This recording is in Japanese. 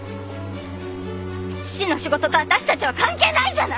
父の仕事と私たちは関係ないじゃない！